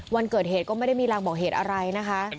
วันเกิดเหตุก็ไม่ได้มีรางบอกเหตุอะไรนะคะ